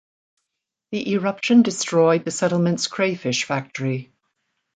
The eruption destroyed the settlement's crayfish factory.